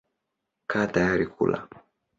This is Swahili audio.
Kaa tayari kula.